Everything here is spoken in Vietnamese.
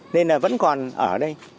nên là vẫn còn ở đây